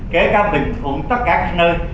kể cả bình thuận tất cả các nơi